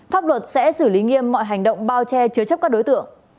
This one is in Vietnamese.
pháp luật sẽ xử lý nghiêm mọi hành động bao che chứa chấp các đối tượng